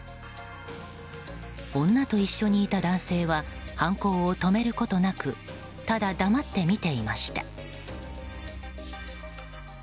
女と一緒にいた男性は犯行を止めることなくただ黙って見ていました。